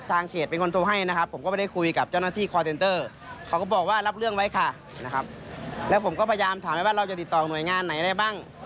ตามถามว่าเราจะติดต่อหน่วยงานไหนได้บ้าง